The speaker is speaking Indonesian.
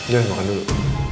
jangan makan dulu